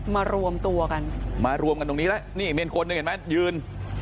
มารวมตัวกันมารวมกันตรงนี้แล้วนี่มีคนหนึ่งเห็นไหมยืน